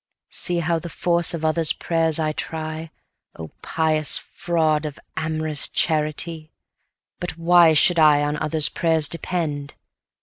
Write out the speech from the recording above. See how the force of others' prayers I try, (Oh pious fraud of amorous charity!) 150 But why should I on others' prayers depend?